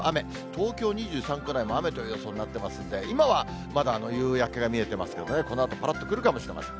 東京２３区内も雨という予想になってますんで、今はまだ夕焼けが見えてますけどね、このあと、ぱらっとくるかもしれません。